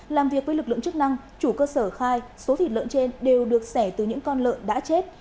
làm việc với lực lượng chức năng chủ cơ sở khai số thịt lợn trên đều được xẻ từ những con lợn đã chết